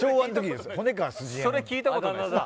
それ聞いたことないっす。